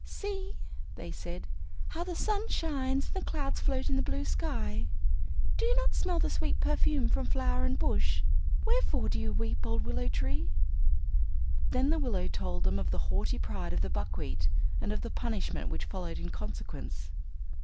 "See," they said, "how the sun shines, and the clouds float in the blue sky. Do you not smell the sweet perfume from flower and bush? Wherefore do you weep, old willow tree?" Then the willow told them of the haughty pride of the buckwheat, and of the punishment which followed in consequence.